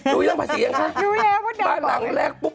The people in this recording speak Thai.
ดูยังภาษียังคะมาหลังแหลกปุ๊บ